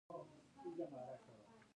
د ځوانۍ د جوش لپاره باید څه وکړم؟